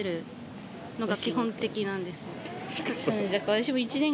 私も。